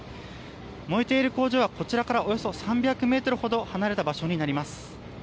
燃えている工場は、こちらからおよそ３００ｍほど離れた場所になります。